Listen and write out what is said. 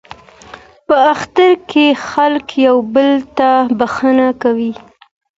په اختر کې خلک یو بل ته بخښنه کوي.